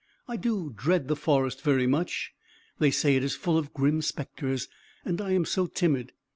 I do dread the forest very much. They say it is full of grim spectres, and I am so timid!